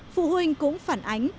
phụ huynh cũng phản ánh